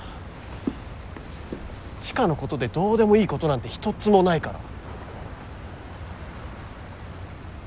知花のことでどうでもいいことなんてひとつもないから。